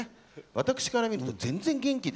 私から見ると、全然元気で。